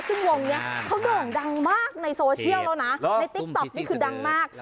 ซึ่งวงนี้เขาโด่งดังมากในโซเชียลแล้วนะในติ๊กต๊อกนี่คือดังมาก